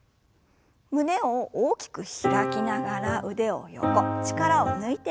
胸を大きく開きながら腕を横力を抜いて振りほぐします。